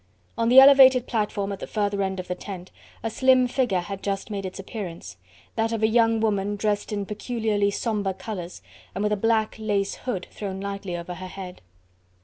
On the elevated platform at the further end of the tent, a slim figure had just made its appearance, that of a young woman dressed in peculiarly sombre colours, and with a black lace hood thrown lightly over her head.